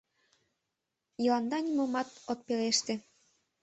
Йыланда нимомат ок пелеште.